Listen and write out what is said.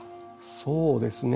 そうですね。